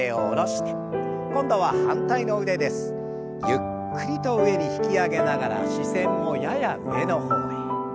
ゆっくりと上に引き上げながら視線もやや上の方へ。